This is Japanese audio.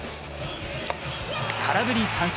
空振り三振。